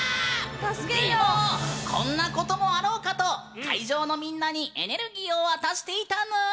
でもこんなこともあろうかと会場のみんなにエネルギーを渡していたぬん！